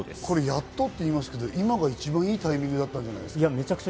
やっとって言いますけれども、今が一番いいタイミングだったんじゃないですか。